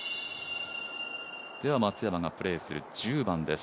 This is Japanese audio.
では松山がプレーする１０番です。